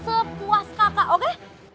sepuas kakak oke